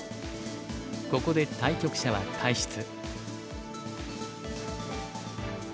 ここで対局者は退室。